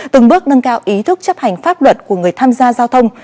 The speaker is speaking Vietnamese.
từng bước nâng cao ý thức chấp hành pháp luật của người tham gia giao thông